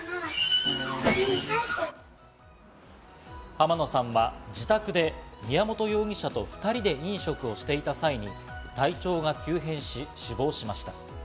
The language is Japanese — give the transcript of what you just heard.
浜野さんは自宅で宮本容疑者と２人で飲食をしていた際に体調が急変し死亡しました。